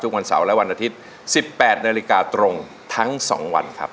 วันเสาร์และวันอาทิตย์๑๘นาฬิกาตรงทั้ง๒วันครับ